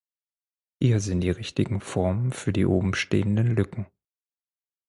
Hier sind die richtigen Formen für die oben stehenden Lücken: